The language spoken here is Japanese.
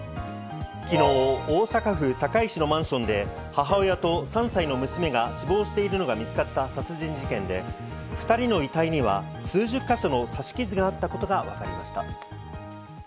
昨日、大阪府堺市のマンションで母親と３歳の娘が死亡しているのが見つかった殺人事件で、２人の遺体には数十か所の刺し傷があったことがわかりました。